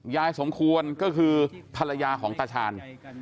ยายสมควรก็คือภรรยาของตาชาญ